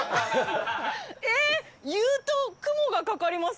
え、言うと雲がかかります。